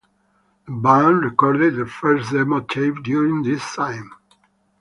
The band recorded its first demo tape during this time.